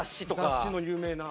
雑誌の有名な。